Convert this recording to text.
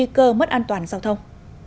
đây là một nguy cơ mất an toàn giao thông